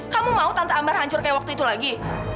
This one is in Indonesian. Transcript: kamu mau tante ambar hancur kayak waktu itu lagi